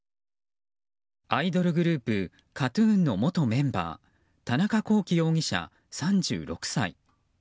アイドルグループＫＡＴ‐ＴＵＮの元メンバー田中聖容疑者、３６歳。